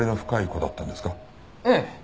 ええ。